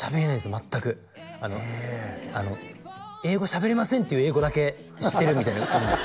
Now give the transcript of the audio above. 全くあの英語喋れませんっていう英語だけ知ってるみたいなもんです